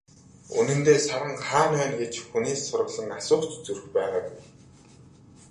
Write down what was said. Үнэндээ, Саран хаана байна гэж хүнээс сураглан асуух ч зүрх байгаагүй.